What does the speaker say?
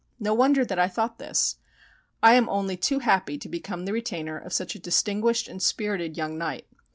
No wonder that I thought this! I am only too happy to become the retainer of such a distinguished and spirited young knight.